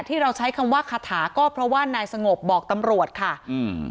ที่เราใช้คำว่าคาถาก็เพราะว่านายสงบบอกตำรวจค่ะอืม